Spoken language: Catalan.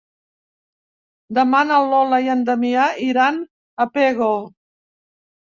Demà na Lola i en Damià iran a Pego.